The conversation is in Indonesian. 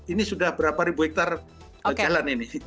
ini sudah berapa ribu hektare jalan ini